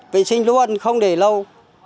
vệ sinh luôn không để lâu